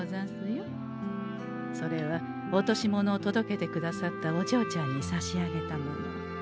それは落とし物を届けてくださったおじょうちゃんに差し上げたもの。